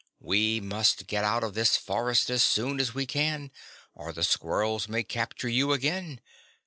We must get out of this forest as soon as we can, or the squirrels may capture you again.